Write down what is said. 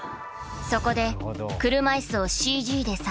そこで車いすをＣＧで再現。